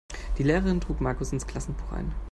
Die Lehrerin trug Markus ins Klassenbuch ein.